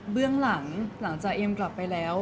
เบื้องหลังหลังจากเอมกลับไปแล้ว